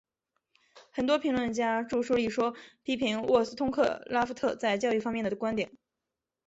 很多评论家着书立说批评沃斯通克拉夫特在教育方面的观点。